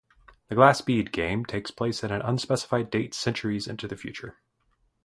"The Glass Bead Game" takes place at an unspecified date centuries into the future.